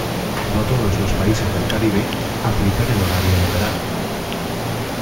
No todos los países del Caribe aplican el horario de verano.